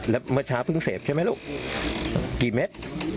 แล้วเมื่อเช้าเพิ่งเสพใช่ไหมลูกกี่เม็ด